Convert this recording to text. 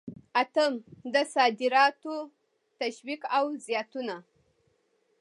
اتم: د صادراتو تشویق او زیاتونه.